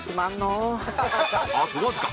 あとわずか！